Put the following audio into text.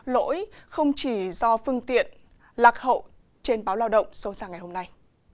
lỗi không chỉ do phương tiện lạc hậu trên báo lao động sâu ra ngày hôm nay